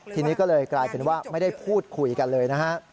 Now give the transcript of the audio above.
ทีนี้ก็เลยกลายเป็นว่าไม่ได้พูดคุยกันเลยนะฮะ